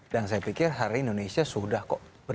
dan saya pikir hari ini indonesia sudah kok berdikari